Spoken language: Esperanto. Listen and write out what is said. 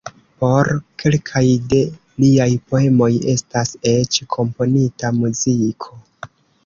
Por kelkaj de liaj poemoj estas eĉ komponita muziko.